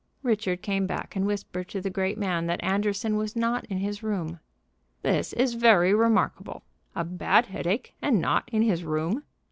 Richard came back, and whispered to the great man that Anderson was not in his room. "This is very remarkable. A bad headache, and not in his room!